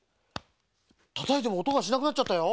たたいてもおとがしなくなっちゃったよ。